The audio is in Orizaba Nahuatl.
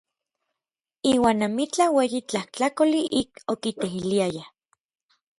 Iuan amitlaj ueyi tlajtlakoli ik okiteiliayaj.